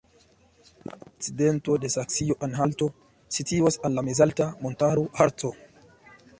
En la okcidento de Saksio-Anhalto situas la mezalta montaro Harco.